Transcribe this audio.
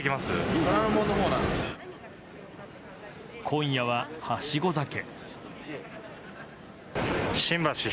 今夜ははしご酒。